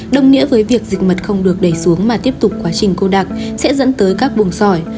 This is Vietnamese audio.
đồng nghĩa với việc dịch mật không được đẩy xuống mà tiếp tục quá trình cô đặc sẽ dẫn tới các buồng sỏi